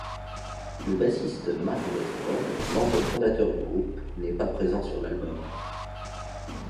Le bassiste Mark Bedford, membre fondateur du groupe, n'est pas présent sur l'album.